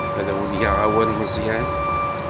Ad wen-yaɣ awal Meẓyan.